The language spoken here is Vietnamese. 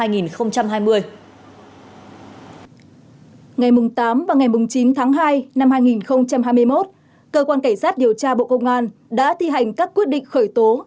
ngày tám và ngày chín tháng hai năm hai nghìn hai mươi một cơ quan cảnh sát điều tra bộ công an đã thi hành các quyết định khởi tố